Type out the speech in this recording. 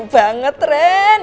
mau banget ren